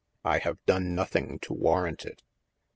I have done nothing to warrant it."